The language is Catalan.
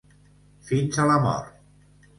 Fins a la mort.